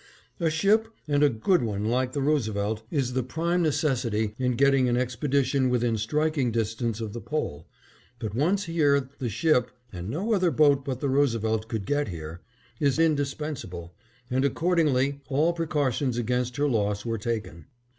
A ship, and a good one like the Roosevelt, is the prime necessity in getting an expedition within striking distance of the Pole, but once here the ship (and no other boat, but the Roosevelt could get here) is not indispensable, and accordingly all precautions against her loss were taken.